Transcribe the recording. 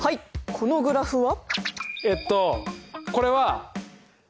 このグラフは？